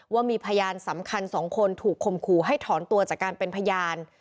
ว่ามีพยานสำคัญ๒คนถูกคมขู่ให้ถอนตัวจากการเป็นพยาน